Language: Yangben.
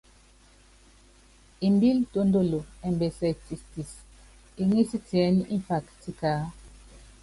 Embíl tɔ́ndɔlɔ ɛmbɛsɛ tistis, eŋís tiɛ́nɛ́ mfak tikaá.